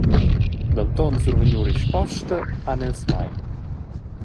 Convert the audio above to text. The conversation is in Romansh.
Denton survegniu risposta han els mai.